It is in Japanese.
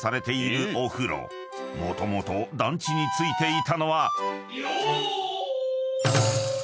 ［もともと団地に付いていたのは］